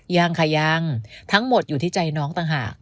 ยังค่ะยังทั้งหมดอยู่ที่ใจน้องต่างหาก